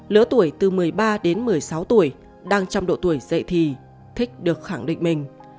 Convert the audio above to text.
lứa tuổi từ một mươi ba đến một mươi sáu tuổi đang trong độ tuổi dậy thì thích được khẳng định mình